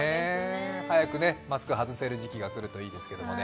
早くマスク外せる時期が来るといいですね。